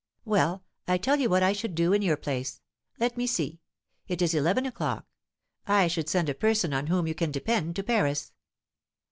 "Well, I tell you what I should do in your place. Let me see; it is eleven o'clock. I should send a person on whom you can depend to Paris."